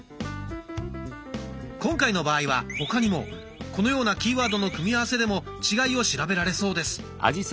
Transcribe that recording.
今回の場合は他にもこのようなキーワードの組み合わせでも違いを調べられそうです。